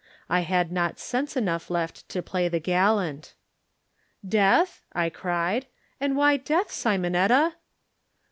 I had not sense enough left to play the gallant. "Death?" I cried. "And why death, Simonetta?"